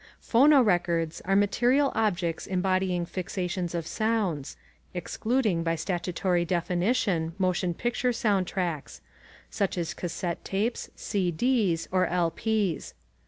"Phonorecords" are material objects embodying fixations of sounds (excluding, by statutory definition, motion picture soundtracks), such as cassette tapes, CDs, or LPs.